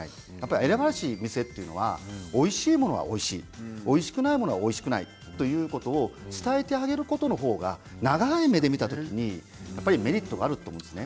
選ばれし店というのはおいしいものはおいしいおいしくないものはおいしくないということを伝えてあげることのほうが長い目で見たときにやっぱりメリットがあると思うんですね。